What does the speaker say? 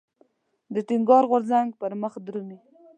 د ټينګار غورځنګ پرمخ درومي.